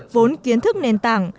vốn kiến thức nền tảng